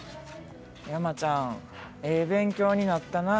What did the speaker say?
山ちゃんええ勉強になったな。